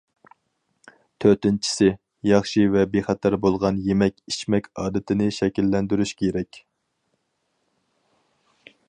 تۆتىنچىسى، ياخشى ۋە بىخەتەر بولغان يېمەك- ئىچمەك ئادىتىنى شەكىللەندۈرۈش كېرەك.